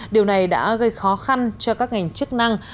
điều này đã gây khó khăn cho các ngành chức năng